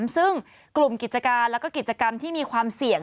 ซึ่งกลุ่มกิจการแล้วก็กิจกรรมที่มีความเสี่ยง